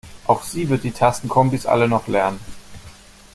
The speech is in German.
Auch sie wird die Tastenkombis alle noch lernen.